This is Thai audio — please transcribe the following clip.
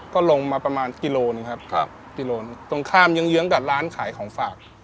ก็ลงมาประมาณกิโลนครับตรงข้ามยังเยื้องกับร้านขายของฝาก